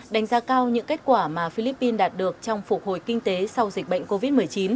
đánh giá cao những kết quả mà philippines đạt được trong phục hồi kinh tế sau dịch bệnh covid một mươi chín